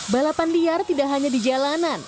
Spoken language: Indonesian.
balapan liar tidak hanya di jalanan